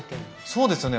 そうですよね